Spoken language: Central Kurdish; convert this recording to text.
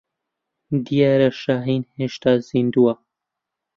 دیارە شاھین هێشتا زیندووە.